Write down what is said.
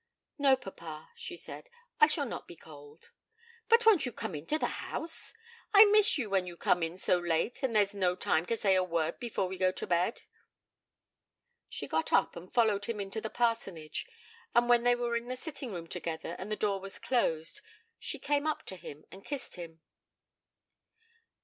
'No papa,' she said, 'I shall not be cold.' 'But won't you come to the house? I miss you when you come in so late that there's no time to say a word before we go to bed.' She got up and followed him into the parsonage, and when they were in the sitting room together, and the door was closed, she came up to him and kissed him.